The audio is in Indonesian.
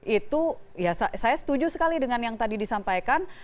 itu ya saya setuju sekali dengan yang tadi disampaikan